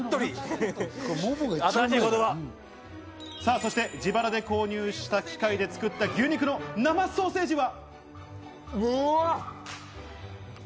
そして自腹で購入した機械で作った牛肉の生ソーセージは。